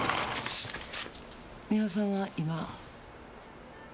三輪さんは今？